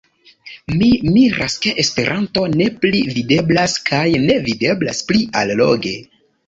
Mi miras, ke Esperanto ne pli videblas, kaj ne videblas pli alloge.